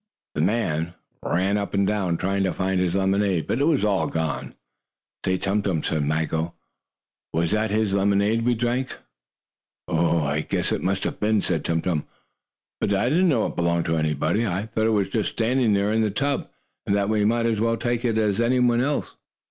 The man ran up and down, trying to find his lemonade, but it was all gone. "Say, Tum Tum," said Maggo, "was that his lemonade we drank?" "I I guess it must have been," said Tum Tum. "But I didn't know it belonged to anybody. I thought it was just standing there in the tub, and that we might as well take it as anyone else."